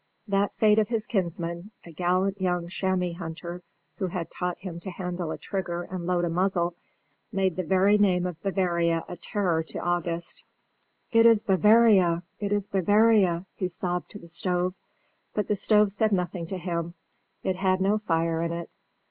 That fate of his kinsman, a gallant young chamois hunter who had taught him to handle a trigger and load a muzzle, made the very name of Bavaria a terror to August. "It is Bavaria! It is Bavaria!" he sobbed to the stove; but the stove said nothing to him; it had no fire in it.